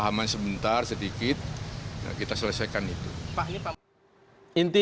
bagaimana pak ini tetap berjalan pak